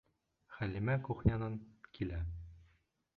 Хәлимә кухнянан килә.